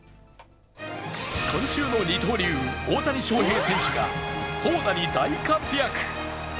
今週の二刀流、大谷翔平選手が投打に大活躍。